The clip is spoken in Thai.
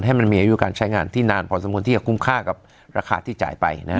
มันมีอายุการใช้งานที่นานพอสมควรที่จะคุ้มค่ากับราคาที่จ่ายไปนะฮะ